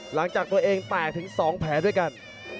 หลังจากตัวเองแตกถึง๒แผลด้วยกัน